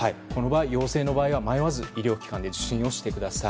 陽性の場合は迷わず医療機関で受診してください。